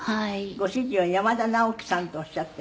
ご主人は山田直毅さんとおっしゃって